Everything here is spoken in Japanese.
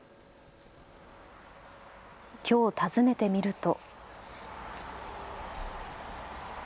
きょう、訪ねてみると。